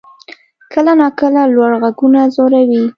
کله ناکله لوړ غږونه ځوروي.